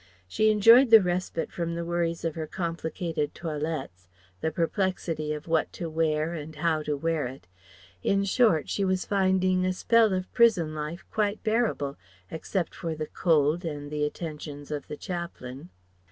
She enjoyed the respite from the worries of her complicated toilettes, the perplexity of what to wear and how to wear it; in short, she was finding a spell of prison life quite bearable, except for the cold and the attentions of the chaplain.